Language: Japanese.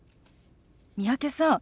三宅さん